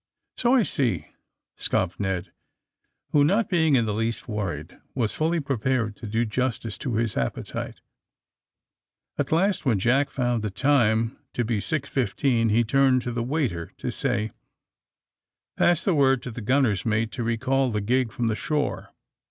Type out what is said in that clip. ^' *^So I see," scoffed Ned, who, not being in the least wortried, was fully prepared to do justice to his appetite. At last, when Jack found the time to be 6.15 he turned to the waiter to say : AND THE SMUGGLERS 187 *^Pass the word to the gunner's mate to re call the gig from the shore.